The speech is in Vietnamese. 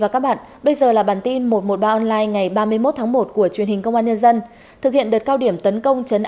cảm ơn các bạn đã theo dõi